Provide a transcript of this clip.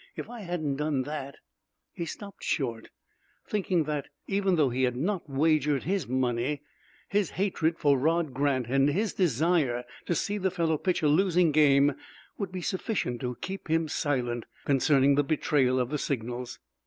If I hadn't done that " He stopped short, thinking that, even though he had not wagered his money, his hatred for Rod Grant and his desire to see the fellow pitch a losing game would be sufficient to keep him silent concerning the betrayal of the signals.